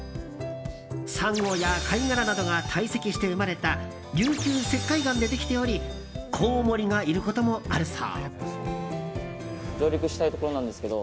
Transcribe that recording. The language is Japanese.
サンゴや貝殻などが堆積して生まれた琉球石灰岩でできておりコウモリがいることもあるそう。